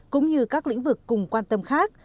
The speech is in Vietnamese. cũng như các lĩnh vực cùng quan tâm khác